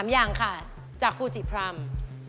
๓อย่างค่ะจากฟูจิพรรม